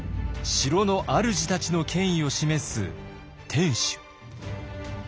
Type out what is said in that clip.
城のあるじたちの権威を示す天守。